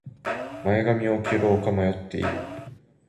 前髪を切ろうか迷っている